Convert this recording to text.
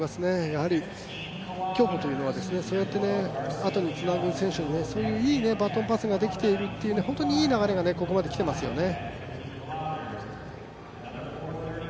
やはり競歩というのはそうやってあとにつなぐ選手にそういういいバトンパスができているという、いい流れがここまで来ていますよね。